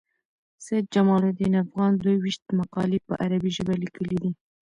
سید جمال الدین افغان دوه ویشت مقالي په عربي ژبه لیکلي دي.